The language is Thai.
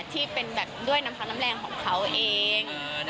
ที่เป็นแบบด้วยน้ำพักน้ำแรงของเขาเอง